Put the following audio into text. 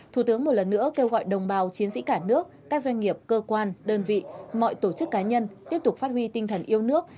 thủ tướng một lần nữa kêu gọi đồng bào chiến sĩ cả nước các doanh nghiệp cơ quan đơn vị mọi tổ chức cá nhân tiếp tục phát huy tinh thần yêu nước